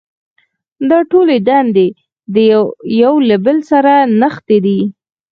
دا ټولې دندې یو له بل سره نغښتې دي.